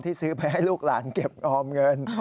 ซื้อไปให้ลูกหลานเก็บออมเงิน